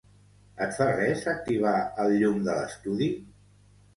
Et fa res activar el llum de l'estudi?